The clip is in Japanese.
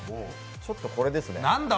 ちょっとこれですね。